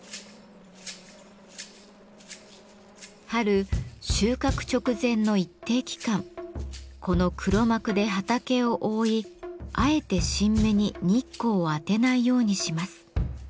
春収穫直前の一定期間この黒幕で畑を覆いあえて新芽に日光を当てないようにします。